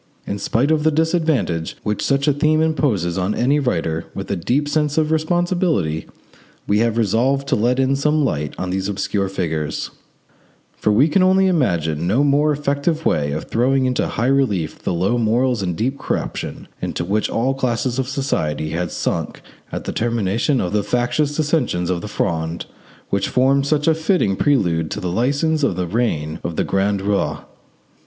In spite of the disadvantage which such a theme imposes on any writer with a deep sense of responsibility, we have resolved to let in some light on these obscure figures; for we can imagine no more effective way of throwing into high relief the low morals and deep corruption into which all classes of society had sunk at the termination of the factious dissensions of the Fronde, which formed such a fitting prelude to the licence of the reign of the grand roi.